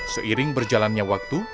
seiring berjalannya waktu